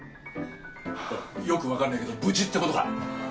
よくわかんねえけど無事って事か？